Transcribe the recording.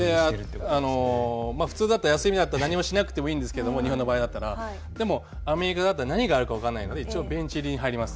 普通だったら休みだったら何もしなくてもいいですけども日本の場合だったらでもアメリカだったら何があるか分からないので一応ベンチ入りに入ります。